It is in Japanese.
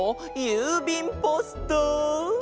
ゆうびんポスト。